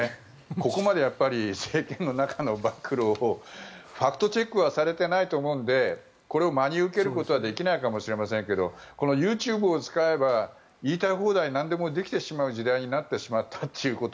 ここまで政権の中の暴露をファクトチェックはされていないと思うのでこれを真に受けることはできないかもしれませんがこのＹｏｕＴｕｂｅを使えば言いたい放題なんでもできてしまう時代になってしまったということ。